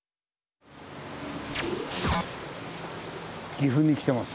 岐阜に来てます。